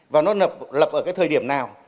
và nó lập ở thời điểm nào